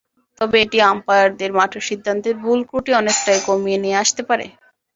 তবে এটি আম্পায়ারদের মাঠের সিদ্ধান্তের ভুল-ত্রুটি অনেকটাই কমিয়ে নিয়ে আসতে পারে।